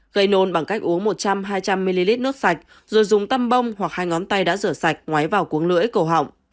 gây nôn bằng cách uống một trăm linh hai trăm linh ml nước sạch rồi dùng tăm bông hoặc hai ngón tay đã rửa sạch ngoái vào cuống lưỡi cổ họng